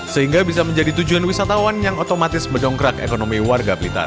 sehingga bisa menjadi tujuan wisatawan yang otomatis mendongkrak ekonomi warga blitar